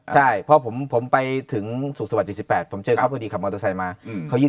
ใช่พอผมไปถึงสูกสบาย๔๘พบผู้ดีขับมอเตอร์ไซน์มาเขายื่น